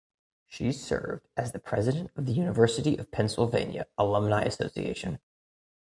She served as the president of the University of Pennsylvania Alumnae Association.